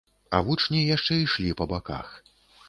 А вучні яшчэ ішлі па баках.